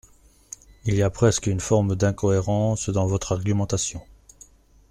Il y a presque une forme d’incohérence dans votre argumentation.